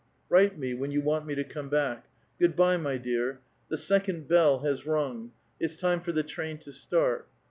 Write me, when you want me to come back. Good by, my dear ;* the second bell has ining ; it's time for the train to start.